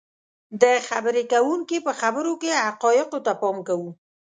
. د خبرې کوونکي په خبرو کې حقایقو ته پام کوو